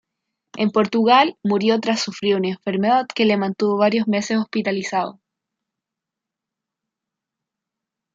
En Portugal murió tras sufrir una enfermedad que le mantuvo varios meses hospitalizado.